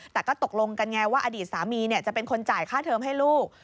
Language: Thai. แต่ก็ตกลงกันไงว่าอดีตสามีจะเป็นคนจ่ายค่าเทิมให้ลูก